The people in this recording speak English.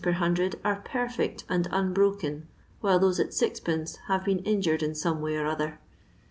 per hundred are perfect and unbroken, wkile tkofe at %d, bare been injured in tome way or other.